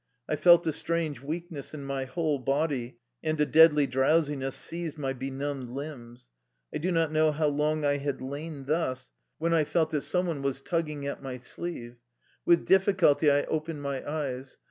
I felt a strange weakness in my whole body, and a deadly drowsiness seized my benumbed limbs. I do not know how long I had lain thus when I 147 THE LIFE STOKY OF A RUSSIAN EXILE felt that some one was tugging at my sleeve. With difficulty I opened my eyes.